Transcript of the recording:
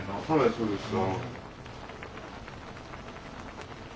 そうですね。